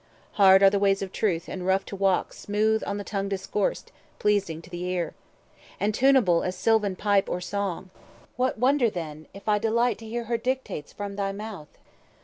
Hard are the ways of truth, and rough to walk, Smooth on the tongue discoursed, pleasing to the ear, And tunable as sylvan pipe or song; 480 What wonder, then, if I delight to hear Her dictates from thy mouth?